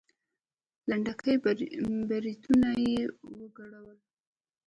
لنډکي برېتونه يې وګرول.